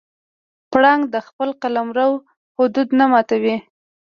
پړانګ د خپل قلمرو حدود نه ماتوي.